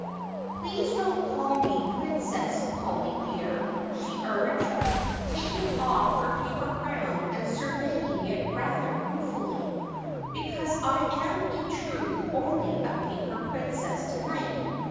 "Please don't call me Princess, Polly, dear," she urged, taking off her paper crown and surveying it rather ruefully, "because I am in truth only a paper princess to night.